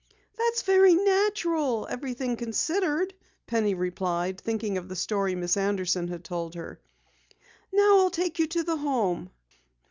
"That's very natural, everything considered," Penny replied, thinking of the story Miss Anderson had told her. "Now I'll take you to the Home."